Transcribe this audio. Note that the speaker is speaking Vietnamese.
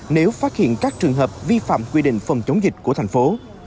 nếu phát hiện các trường hợp vi phạm quy định phòng chống dịch của thành phố